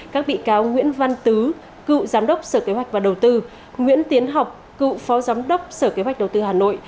các bị cáo nguyễn văn tứ cựu giám đốc sở kế hoạch và đầu tư nguyễn tiến học cựu phó giám đốc sở kế hoạch đầu tư hà nội